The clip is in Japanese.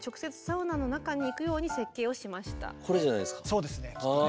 そうですねきっとね。